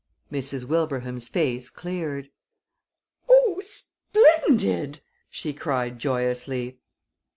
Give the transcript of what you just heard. Mrs. Wilbraham's face cleared. "Oh, splendid!" she cried, joyously.